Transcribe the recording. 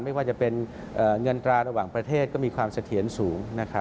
ไม่ว่าจะเป็นเงินตราระหว่างประเทศก็มีความเสถียรสูง